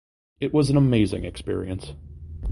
It was an amazing experience.